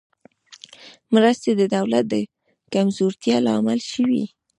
مرستې د دولت د کمزورتیا لامل شوې.